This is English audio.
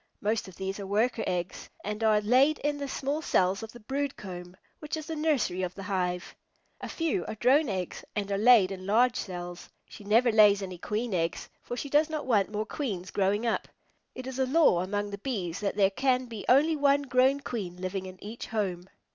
Most of these are Worker eggs, and are laid in the small cells of the brood comb, which is the nursery of the hive. A few are Drone eggs and are laid in large cells. She never lays any Queen eggs, for she does not want more Queens growing up. It is a law among the Bees that there can be only one grown Queen living in each home.